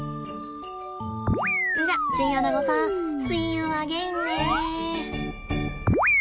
じゃあチンアナゴさんシーユーアゲインね。